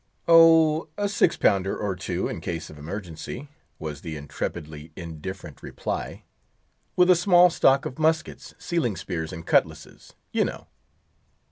"Oh, a six pounder or two, in case of emergency," was the intrepidly indifferent reply, "with a small stock of muskets, sealing spears, and cutlasses, you know."